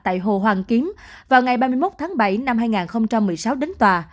tại hồ hoàn kiếm vào ngày ba mươi một tháng bảy năm hai nghìn một mươi sáu đến tòa